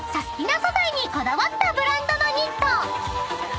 素材にこだわったブランドのニット］